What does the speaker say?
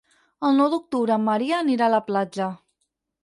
El nou d'octubre en Maria anirà a la platja.